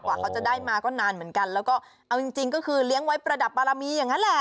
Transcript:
กว่าเขาจะได้มาก็นานเหมือนกันแล้วก็เอาจริงก็คือเลี้ยงไว้ประดับบารมีอย่างนั้นแหละ